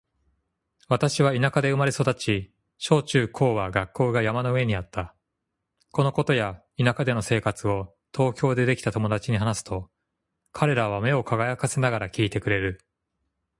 私は田舎で生まれ育ち、小・中・高は学校が山の上にあった。このことや田舎での生活を東京でできた友達に話すと、彼らは目を輝かせながら聞いてくれる。